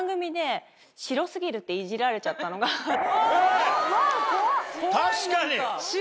えっ！